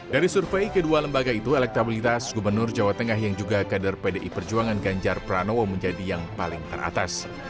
dari survei kedua lembaga itu elektabilitas gubernur jawa tengah yang juga kader pdi perjuangan ganjar pranowo menjadi yang paling teratas